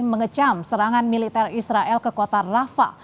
mengecam serangan militer israel ke kota rafa